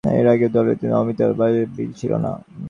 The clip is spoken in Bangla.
এর আগেও ওর দলের সঙ্গে অমিতর ভাবের মিল ছিল না।